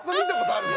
あるよ。